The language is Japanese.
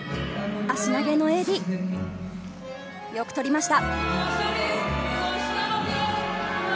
足投げのＡＤよく取りました。